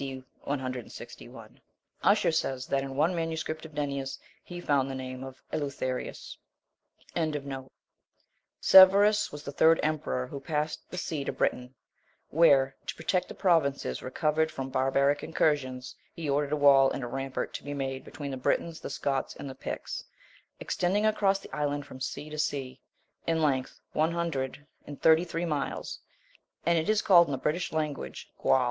D. 161." Usher says, that in one MS. of Nennius he found the name of Eleutherius. 23. Severus was the third emperor who passed the sea to Britain, where, to protect the provinces recovered from barbaric incursions, he ordered a wall and a rampart to be made between the Britons, the Scots, and the Picts, extending across the island from sea to sea, in length one hundred and thirty three miles: and it is called in the British language Gwal.